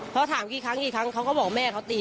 เขาถามกี่ครั้งกี่ครั้งเขาก็บอกแม่เขาตี